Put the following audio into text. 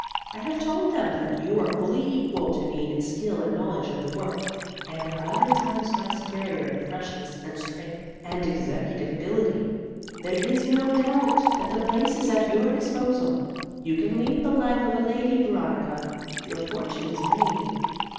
I have told them that you are fully equal to me in skill and knowledge of the work, and a hundred times my superior in freshness and strength and executive ability. There is no doubt that the place is at your disposal. You can lead the life of a lady, Veronica. Your fortune is made."